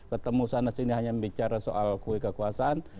ketemu sana sini hanya bicara soal kue kekuasaan